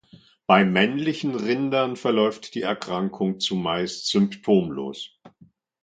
Bei männlichen Rindern verläuft die Erkrankung zumeist symptomlos.